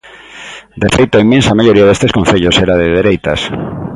De feito, a inmensa maioría destes concellos era de dereitas.